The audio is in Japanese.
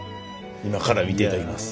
今から見て頂きます。